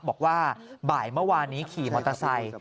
บอกว่าบ่ายเมื่อวานนี้ขี่มอเตอร์ไซค์